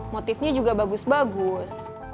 motifnya juga bagus bagus